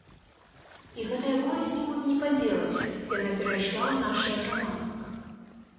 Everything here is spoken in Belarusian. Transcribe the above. І гэтая боязь нікуды не падзелася, яна перайшла ў нашае грамадства.